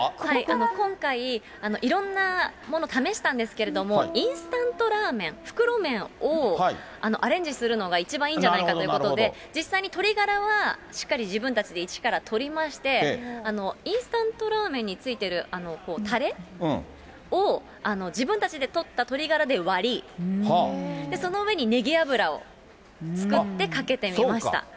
今回、いろんなもの試したんですけれども、インスタントラーメン、袋麺をアレンジするのが一番いいんじゃないかということで、実際に鶏がらは、しっかり自分たちで一から取りまして、インスタントラーメンに付いてるあのたれを、自分たちで取った鶏がらで割り、そのあとねぎ油を作って、かけてみました。